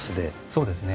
そうですね。